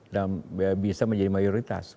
dan bisa menjadi mayoritas